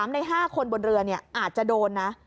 ใน๕คนบนเรืออาจจะโดนนะ